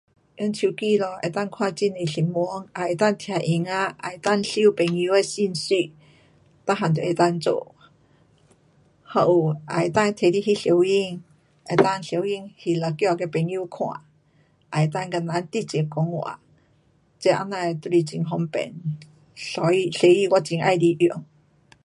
用手机了可以看很多新闻，也可以听音乐，有能够收朋友的讯息。全部都可以做。还有也可以拿来拍照片。能够照片拍了寄给朋友看。也能够跟人转接讲话。这啊哪的都是很方便。所以，所以我很喜欢用。